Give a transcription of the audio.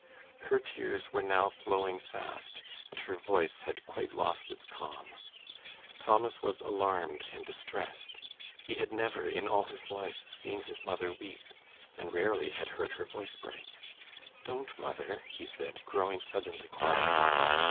Her tears were now flowing fast, and her voice had quite lost its calm. Thomas was alarmed and distressed. He had never in all his life seen his mother weep, and rarely had heard her voice break. "Don't, mother," he said, growing suddenly quiet himself.